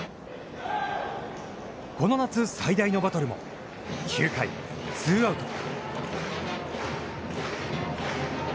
この夏、最大のバトルも９回ツーアウト。